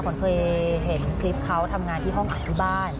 ขวัญเคยเห็นคลิปเขาทำงานที่ห้องอัดที่บ้าน